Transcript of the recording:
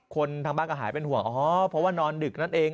ทางบ้านก็หายเป็นห่วงอ๋อเพราะว่านอนดึกนั่นเอง